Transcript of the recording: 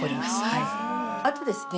はいあとですね